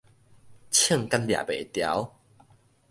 衝甲掠袂牢